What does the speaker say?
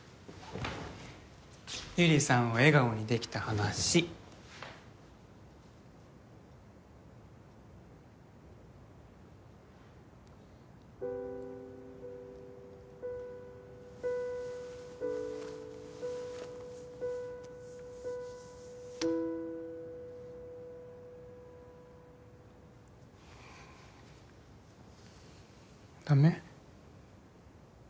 百合さんを笑顔にできた話ダメ？